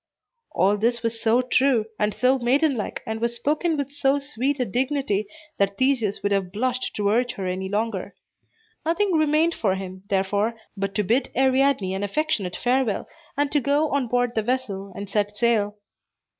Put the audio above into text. All this was so true, and so maiden like, and was spoken with so sweet a dignity, that Theseus would have blushed to urge her any longer. Nothing remained for him, therefore, but to bid Ariadne an affectionate farewell, and to go on board the vessel, and set sail.